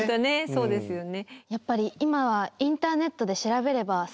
そうですよね。